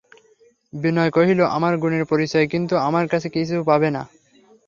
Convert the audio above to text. বিনয় কহিল, আমার গুণের পরিচয় কিন্তু আমার কাছে কিছু পাবেন না।